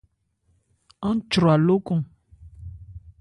Án chwra lókɔn.